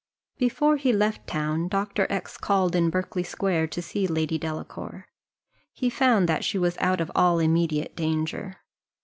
Before he left town, Dr. X called in Berkeley square, to see Lady Delacour; he found that she was out of all immediate danger.